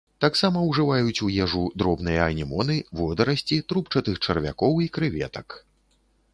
Таксама ўжываюць у ежу дробныя анемоны, водарасці, трубчастых чарвякоў і крэветак.